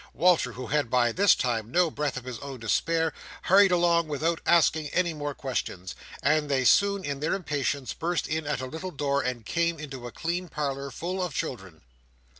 Walter, who had by this time no breath of his own to spare, hurried along without asking any more questions; and they soon, in their impatience, burst in at a little door and came into a clean parlour full of children.